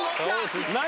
何？